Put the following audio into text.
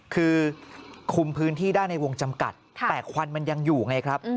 คือคุมพื้นที่ได้ในวงจำกัดแต่ควันมันยังอยู่ไงครับ